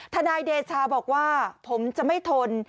นายเดชาบอกว่าผมจะไม่ทน